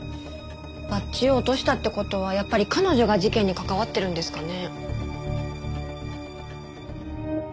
バッジを落としたって事はやっぱり彼女が事件に関わってるんですかね？